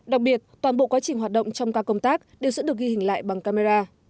đặc biệt toàn bộ quá trình hoạt động trong các công tác đều sẽ được ghi hình lại bằng camera